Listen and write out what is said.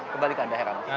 kebalikan pak herano